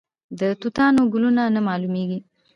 د توتانو ګلونه نه معلومیږي؟